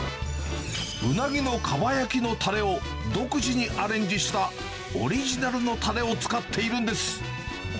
ウナギのかば焼きのたれを独自にアレンジした、オリジナルのたれを使っているんです。